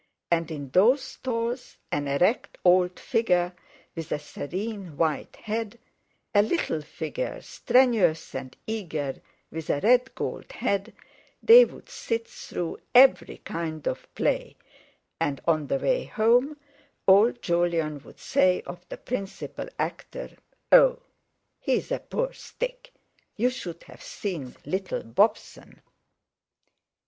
And in those stalls—an erect old figure with a serene white head, a little figure, strenuous and eager, with a red gold head—they would sit through every kind of play, and on the way home old Jolyon would say of the principal actor: "Oh, he's a poor stick! You should have seen little Bobson!"